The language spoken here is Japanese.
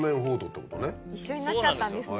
一緒になっちゃったんですね。